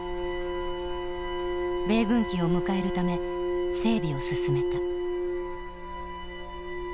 米軍機を迎えるため整備を進めた。